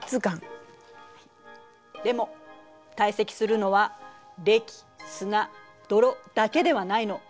でも堆積するのはれき砂泥だけではないの。